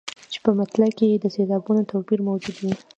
چې په مطلع کې یې د سېلابونو توپیر موجود وي.